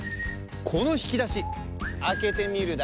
このひきだしあけてみるだし。